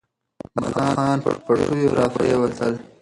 ملخان پر پټیو راپرېوتل.